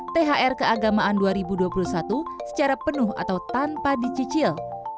thr keagamaan dua ribu dua puluh satu secara penuh atau tanpa dicicil